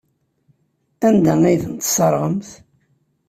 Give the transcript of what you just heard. Anda ay ten-tesserɣemt?